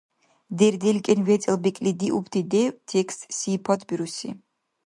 ДерделкӀен вецӀал бекӀлидиубти дев, текст сипатбируси